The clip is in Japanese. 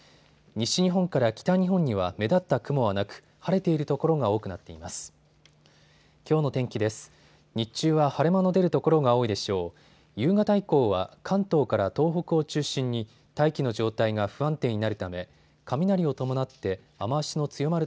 西日本から北日本には目立った雲はなく、晴れている所が多くなっています。